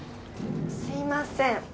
すいません。